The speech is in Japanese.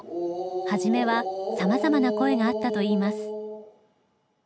初めは様々な声があったといいます。